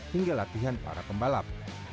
hingga latihan para pembalap